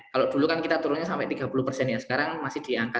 kalau dulu kan kita turunnya sampai tiga puluh persen ya sekarang masih di angka